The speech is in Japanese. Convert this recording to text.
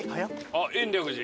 あっ延暦寺？